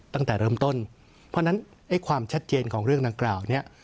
ตั้งแต่เริ่มต้นเพราะฉะนั้นไอ้ความชัดเจนของเรื่องดังกล่าวเนี่ย